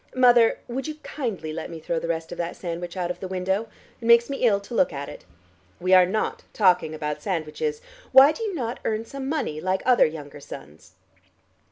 Mother, would you kindly let me throw the rest of that sandwich out of the window? It makes me ill to look at it." "We are not talking about sandwiches. Why do you not earn some money like other younger sons?"